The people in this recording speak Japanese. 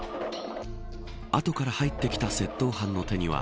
後から入ってきた窃盗犯の手には